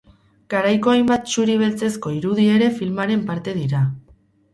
Garaiko hainbat txuri-beltzezko irudi ere filmaren parte dira.